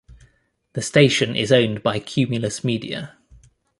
The station is owned by Cumulus Media.